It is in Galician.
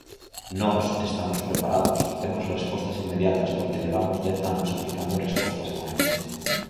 Nós estamos preparados, temos respostas inmediatas porque levamos dez anos aplicando respostas con éxito.